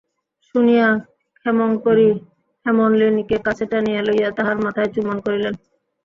শুনিয়া ক্ষেমংকরী হেমনলিনীকে কাছে টানিয়া লইয়া তাহার মাথায় চুম্বন করিলেন।